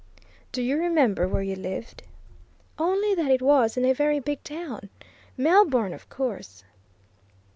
"Do you remember where you lived?" "Only that it was in a very big town Melbourne, of course.